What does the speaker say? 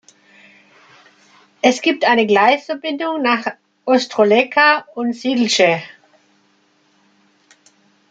Es gibt eine Gleisverbindung nach Ostrołęka und Siedlce.